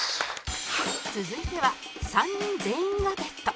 続いては３人全員が ＢＥＴ